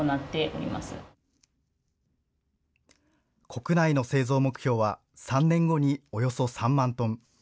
国内の製造目標は３年後におよそ３万トン。